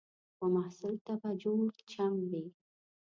و محصل ته به جوړ چم وي